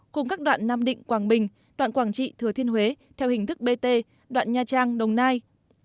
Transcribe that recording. cùng các đoạn nam định quảng bình đoạn quảng trị thừa thiên huế theo hình thức bt đoạn nha trang đồng nai